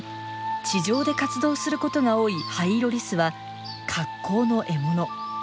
地上で活動することが多いハイイロリスは格好の獲物。